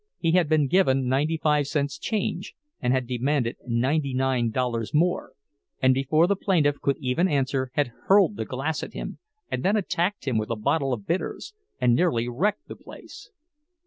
He had been given ninety five cents' change, and had demanded ninety nine dollars more, and before the plaintiff could even answer had hurled the glass at him and then attacked him with a bottle of bitters, and nearly wrecked the place.